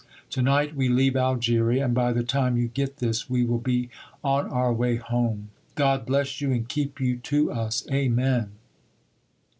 To night we leave Algeria, and by the time you get this we will be on our way home. God bless you and keep you to us. Amen."